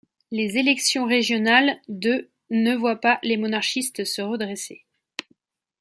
Les élections régionales de ne voient pas les monarchistes se redresser.